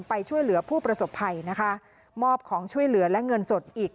ไปช่วยเหลือผู้ประสบภัยนะคะมอบของช่วยเหลือและเงินสดอีก